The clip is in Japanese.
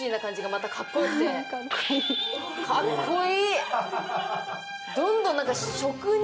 かっこいい。